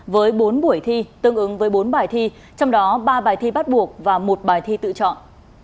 với bốn buổi thi tương ứng với bốn bài thi trong đó ba bài thi bắt buộc và một bài thi tự chọn